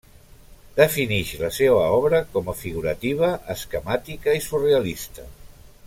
Definix la seua obra com figurativa, esquemàtica i surrealista.